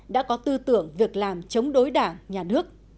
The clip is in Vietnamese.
đã có tư tưởng việc làm chống đối đảng nhà nước